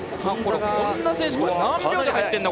本多選手、何秒で入ってるんだ？